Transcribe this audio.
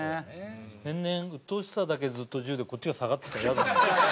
年々「うっとうしさ」だけずっと１０でこっちが下がっていったらイヤだね。